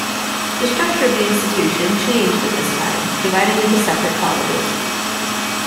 The structure of the institution changed at this time, dividing into separate colleges.